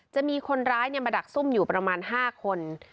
จะมีคนร้ายมาดักซุ่มอยู่ประมาณ๕คน